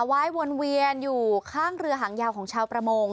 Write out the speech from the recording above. วนเวียนอยู่ข้างเรือหางยาวของชาวประมง